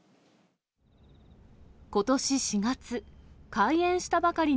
ことし４月、開園したばかり